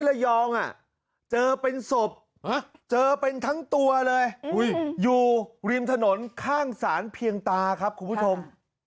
มิละยองอ่ะเจอไปจบเจอเป็นทั้งตัวเลยอุ๋ยโยฮงรีมถนนข้างสารเพียงตาครับคุณผู้จม